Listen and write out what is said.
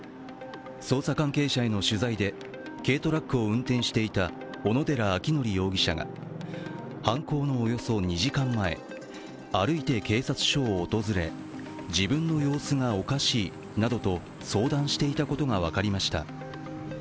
捜査関係者への取材で軽トラックを運転していた小野寺章仁容疑者が、犯行のおよそ２時間前歩いて警察署を訪れ、自分の様子がおかしいなどと相談していたことが分かりました。